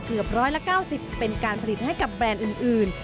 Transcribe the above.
เกือบร้อยละ๙๐เป็นการผลิตให้กับแบรนด์อื่น